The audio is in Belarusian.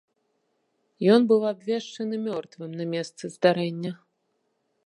Ён быў абвешчаны мёртвым на месцы здарэння.